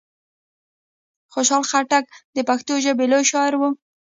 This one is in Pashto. خوشحال خان خټک د پښتو ژبي لوی شاعر وو.